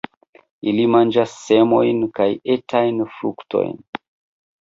Ili manĝas semojn kaj etajn fruktojn.